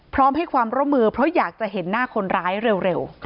พร้อมให้ความร่วมมือเพราะอยากจะเห็นหน้าคนร้ายเร็ว